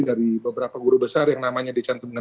dari beberapa guru besar yang namanya dicantumkan